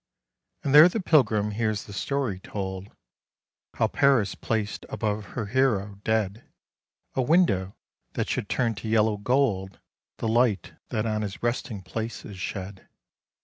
And there the pilgrim hears the story told, How Paris placed above her hero, dead, A window that should turn to yellow gold The light that on his resting place is shed.